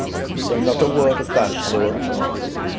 So, not a word of that sort!